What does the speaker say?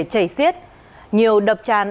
chảy xiết nhiều đập tràn